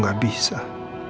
sekali lagi ya pak